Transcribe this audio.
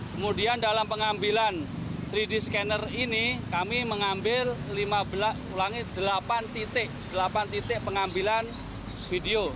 kemudian dalam pengambilan tiga d scanner ini kami mengambil delapan titik pengambilan video